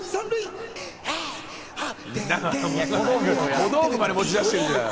小道具まで持ち出してるじゃない！